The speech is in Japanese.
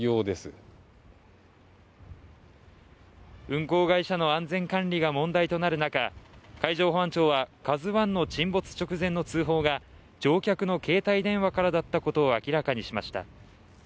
運航会社の安全管理が問題となる中海上保安庁は「ＫＡＺＵⅠ」の沈没直前の通報が乗客の携帯電話からだったことを明らかにしました。